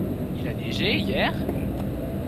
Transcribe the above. Il a neigé hier ?